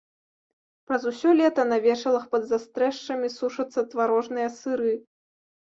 Праз усё лета на вешалах пад застрэшшамі сушацца тварожныя сыры.